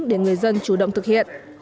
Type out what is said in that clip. để người dân chủ động thực hiện